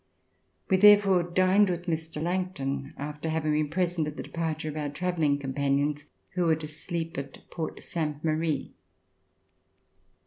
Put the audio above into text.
We therefore dined with Mr. Langton, after having been present at the de parture of our travelling companions who were to sleep at Port Sainte Marie.